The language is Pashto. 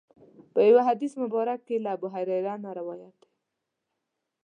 په یو حدیث مبارک کې له ابوهریره نه روایت دی.